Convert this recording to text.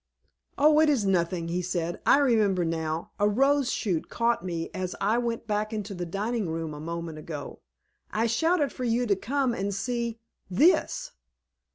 "Oh, it is nothing," he said. "I remember now—a rose shoot caught me as I went back into the dining room a moment ago. I shouted for you to come and see _this.